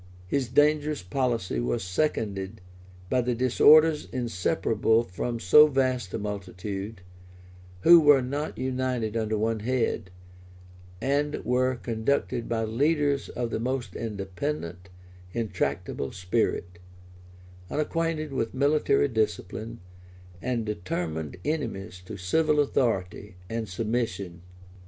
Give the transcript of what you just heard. His dangerous policy was seconded by the disorders inseparable from so vast a multitude, who were not united under one head, and were conducted by leaders of the most independent, intractable spirit, unacquainted with military discipline, and determined enemies to civil authority and submission.